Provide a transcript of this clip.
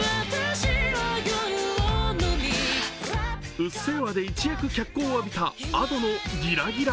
「うっせぇわ」で一躍脚光を浴びたＡｄｏの「ギラギラ」。